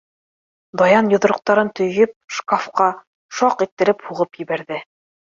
Даян йоҙроҡтарын төйөп, шкафҡа шаҡ иттереп һуғып ебәрҙе.